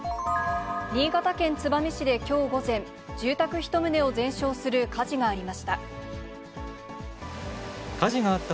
新潟県燕市できょう午前、住宅１棟を全焼する火事がありました。